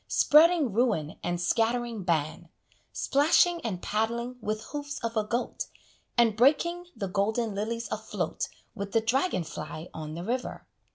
Spreading ruin and scattering ban, Splashing and paddling with hoofs of a goat, And breaking the golden lilies afloat With the dragon fly on the river.